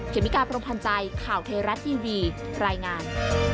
เมกาพรมพันธ์ใจข่าวเทราะทีวีรายงาน